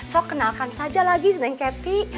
so kenalkan saja lagi wanita ketik